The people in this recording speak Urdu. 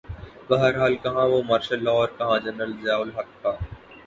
بہرحال کہاںوہ مارشل لاء اورکہاں جنرل ضیاء الحق کا۔